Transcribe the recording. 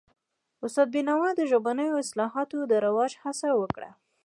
استاد بینوا د ژبنیو اصطلاحاتو د رواج هڅه وکړه.